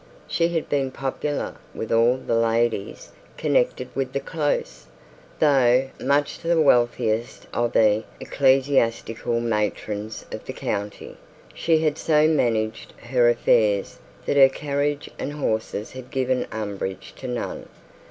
She had been popular with all the ladies connected with the close. Though much the wealthiest of the ecclesiastical matrons of the county, she had so managed her affairs that her carriage and horses had given umbrage to none.